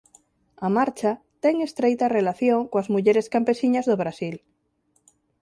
A Marcha ten estreita relación coas mulleres campesiñas do Brasil.